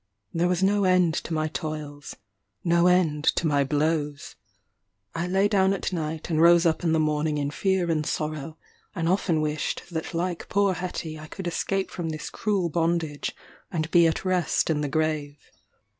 There was no end to my toils no end to my blows. I lay down at night and rose up in the morning in fear and sorrow; and often wished that like poor Hetty I could escape from this cruel bondage and be at rest in the grave.